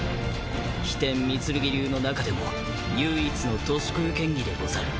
飛天御剣流の中でも唯一の徒手空拳技でござる。